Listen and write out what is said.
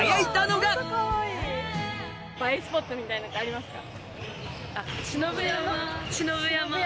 スポットみたいなのってありますか？